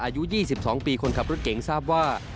อายุ๒๒ปีคนขับรถเก๋งทราบว่า